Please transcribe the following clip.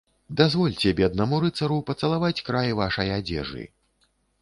Дазвольце беднаму рыцару пацалаваць край вашай адзежы.